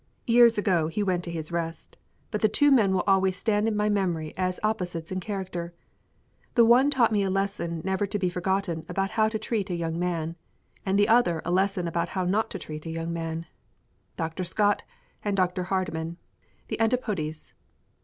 Years ago he went to his rest. But the two men will always stand in my memory as opposites in character. The one taught me a lesson never to be forgotten about how to treat a young man, and the other a lesson about how not to treat a young man. Dr. Scott and Dr. Hardman, the antipodes!